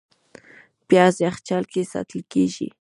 پیاز یخچال کې ساتل کېږي